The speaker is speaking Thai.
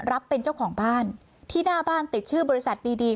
รับเป็นเจ้าของบ้านที่หน้าบ้านติดชื่อบริษัทดีดี